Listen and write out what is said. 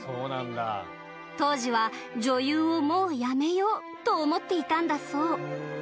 当時は女優をもうやめようと思っていたんだそう